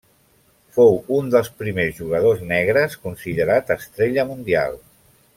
Fou un dels primers jugadors negres considerat estrella mundial.